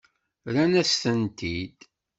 Rran-as-tent-id.